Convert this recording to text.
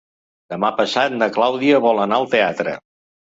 Demà passat na Clàudia vol anar al teatre.